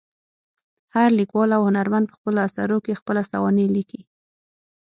هر لیکوال او هنرمند په خپلو اثرو کې خپله سوانح لیکي.